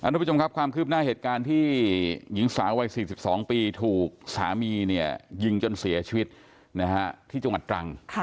ทุกผู้ชมครับความคืบหน้าเหตุการณ์ที่หญิงสาววัย๔๒ปีถูกสามีเนี่ยยิงจนเสียชีวิตที่จังหวัดตรัง